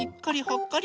「にっこり」